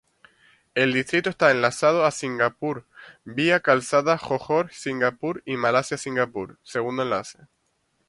El distrito está enlazado a Singapur vía Calzada Johor-Singapur y Malasia –Singapur Segundo Enlace.